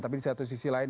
tapi di satu sisi lain